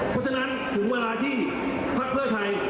เพราะฉะนั้นถึงเวลาที่พักเพื่อไทย